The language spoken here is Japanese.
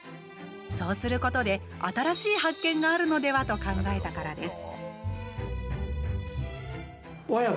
そうすることで新しい発見があるのでは？と考えたからです。